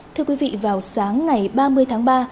thưa quý vị vào sáng ngày ba mươi tháng ba